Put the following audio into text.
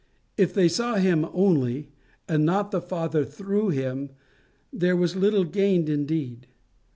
If they saw him only, and not the Father through him, there was little gained indeed.